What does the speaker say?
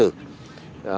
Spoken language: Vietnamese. đúng không ạ